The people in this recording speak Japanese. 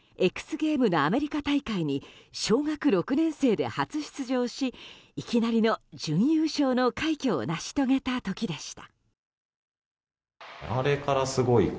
ゲームのアメリカ大会に小学６年生で初出場しいきなりの準優勝の快挙を成し遂げた時でした。